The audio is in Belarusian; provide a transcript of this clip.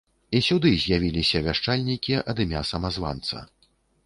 І сюды з'явіліся вяшчальнікі ад імя самазванца.